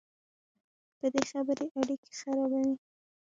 بدې خبرې اړیکې خرابوي